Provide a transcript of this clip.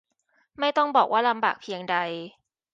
ไม่ต้องบอกว่าลำบากเพียงใด